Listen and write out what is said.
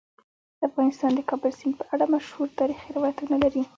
افغانستان د کابل سیند په اړه مشهور تاریخی روایتونه لري.